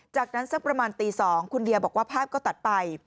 จากนั้นสักประมาณตี๒คุณเดียบอกว่าภาพก็ตัดไป